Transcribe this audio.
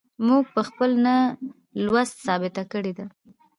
موږ په خپل نه لوست ثابته کړې ده.